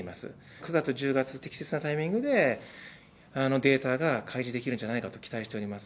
９月、１０月、適切なタイミングでデータが開示できるんじゃないかと期待しております。